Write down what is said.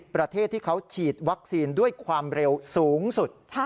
ประเทศที่เขาฉีดวัคซีนด้วยความเร็วสูงสุด